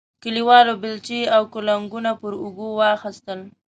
کلیوالو بیلچې او کنګونه پر اوږو واخیستل.